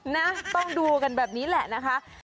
นะต้องดูกันแบบนี้แหละนะคะ